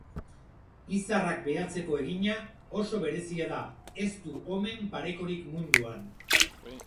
Izarrak behatzeko egina, oso berezia da, ez du omen parekorik munduan.